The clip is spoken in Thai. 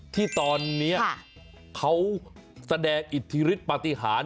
ที่ตอนนี้เขาแสดงอิทธิฤทธิปฏิหาร